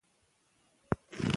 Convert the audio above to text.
د ورزش کمښت انرژي کموي.